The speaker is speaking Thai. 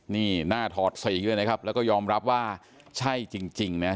นี่หน้าถอดสีด้วยนะครับแล้วก็ยอมรับว่าใช่จริงนะฮะ